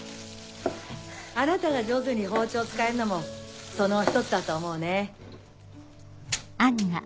あなたが上手に包丁を使えるのもその１つだと思うね。